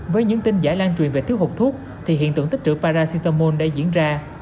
với những tin giả lan truyền về thiếu hụt thuốc thì hiện tượng tích trữ paracetamol đã diễn ra